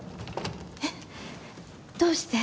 えっどうして？